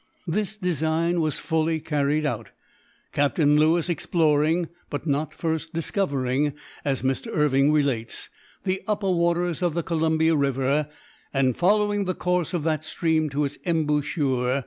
This design was fully carried out; captain Lewis exploring (but not first "discovering" as Mr. Irving relates) the upper waters of the Columbia river, and following the course of that stream to its embouchure.